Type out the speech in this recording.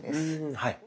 はい。